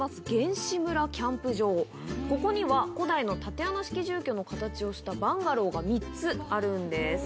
ここには古代の竪穴式住居の形をしたバンガローが３つあるんです。